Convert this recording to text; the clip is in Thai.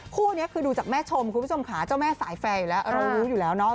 คู่นี้คือดูจากแม่ชมคุณผู้ชมค่ะเจ้าแม่สายแฟร์อยู่แล้วเรารู้อยู่แล้วเนาะ